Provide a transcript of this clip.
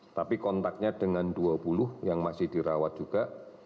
tapi kontaknya dengan dua puluh yang masih dirawat juga